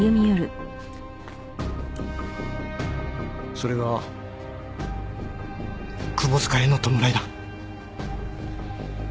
それが窪塚への弔いだ。